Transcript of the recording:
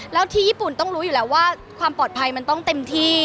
แล้วที่ญี่ปุ่นต้องรู้อยู่แล้วว่าความปลอดภัยมันต้องเต็มที่